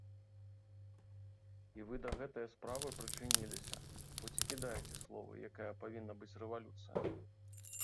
І вы да гэтае справы прычыніліся, хоць і кідаеце словы, якая павінна быць рэвалюцыя.